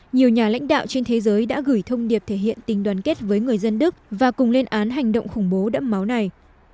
nhiều nhà lãnh đạo trên thế giới đã gửi thông điệp thể hiện tình đoàn kết với người dân đức và cùng lên án hành động khủng bố đẫm máu này